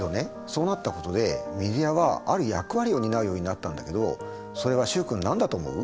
そうなったことでメディアはある役割を担うようになったんだけどそれは習君何だと思う？